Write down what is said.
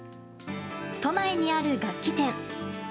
都内にある楽器店。